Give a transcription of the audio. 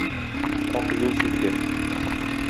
Ак юл сезгә!